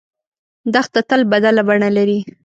دښته تل بدله بڼه لري.